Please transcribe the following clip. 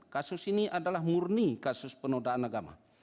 kasus ini adalah murni kasus penodaan agama